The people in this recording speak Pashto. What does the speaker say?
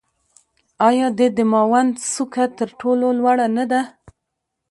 آیا د دماوند څوکه تر ټولو لوړه نه ده؟